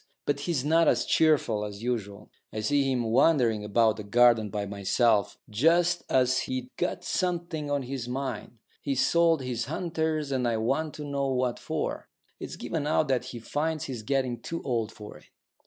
But he's not as cheerful as usual. I see him wandering about the garden by himself, just as if he'd got something on his mind. He's sold his hunters, and I want to know what for. It's given out that he finds he's getting too old for it.